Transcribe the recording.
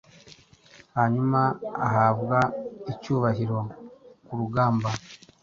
Hanyuma ahabwa icyubahiro ku rugamba